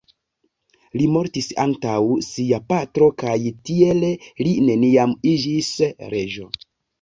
Li mortis antaŭ sia patro kaj tiele li neniam iĝis reĝo.